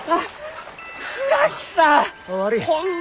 倉木さん！